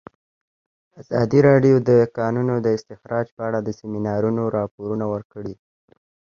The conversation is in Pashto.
ازادي راډیو د د کانونو استخراج په اړه د سیمینارونو راپورونه ورکړي.